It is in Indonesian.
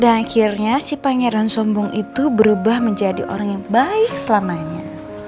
dan akhirnya si pangeran sombong itu berubah menjadi orang yang baik selamanya